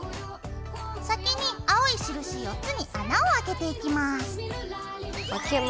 先に青い印４つに穴をあけていきます。